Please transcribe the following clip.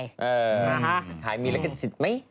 ได้มีลิขสิทธิ์ไหม